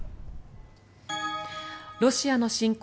ロシアの侵攻